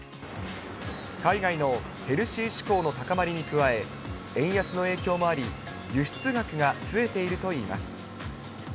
海外のヘルシー志向の高まりに加え、円安の影響もあり、輸出額が増えているといいます。